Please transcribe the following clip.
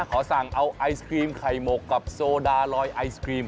ขอสั่งเอาไอศครีมไข่หมกกับโซดาลอยไอศครีม